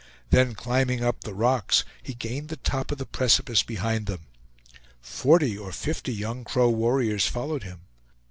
Then climbing up the rocks, he gained the top of the precipice behind them. Forty or fifty young Crow warriors followed him.